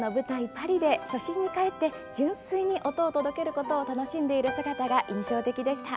パリで初心に返って純粋に音を届けることを楽しんでいる姿が印象的でした。